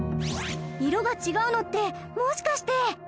色が違うのってもしかして。